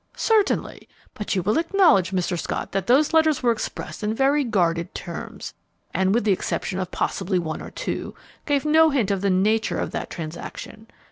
"Certainly. But you will acknowledge, Mr. Scott, that those letters were expressed in very guarded terms, and, with the exception of possibly one or two, gave no hint of the nature of that transaction.